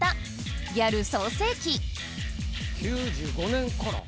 ９５年から？